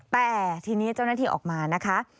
แต่ทีนี้เจ้าหน้าที่ออกมานะคะ